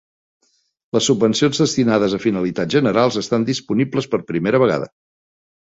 Les subvencions destinades a finalitats generals estan disponibles per primera vegada.